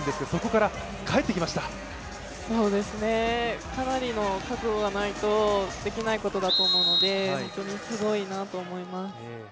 かなりの覚悟がないとできないことだと思うので、本当にすごいなと思います。